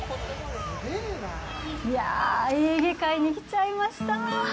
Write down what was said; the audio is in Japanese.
いやぁ、エーゲ海に来ちゃいました。